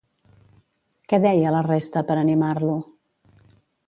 Què deia la resta per animar-lo?